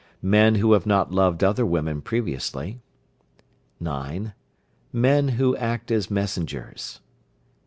Men who have not loved other women previously. 9. Men who act as messengers.